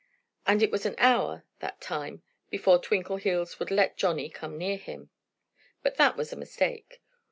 And it was an hour, that time, before Twinkleheels would let Johnnie come near him. But that was a mistake.